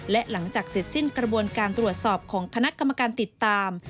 และหลังจากเสร็จสิ้นกระบวนการตรวจสอบของคณะกรรมการติดตาม